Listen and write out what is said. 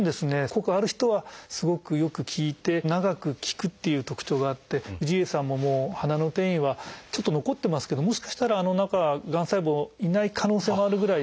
効果がある人はすごくよく効いて長く効くっていう特徴があって氏家さんももう鼻の転移はちょっと残ってますけどもしかしたらあの中はがん細胞いない可能性もあるぐらいよく効いてます。